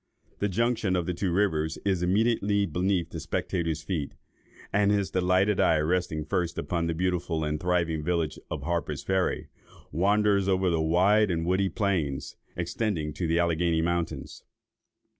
The junction of the two rivers is immediately beneath the spectator's feet; and his delighted eye resting first upon the beautiful and thriving village of Harper's Ferry, wanders over the wide and woody plains, extending to the Alleghany mountains.